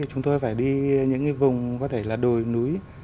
chúng tôi phải đi những vùng có thể là đồi núi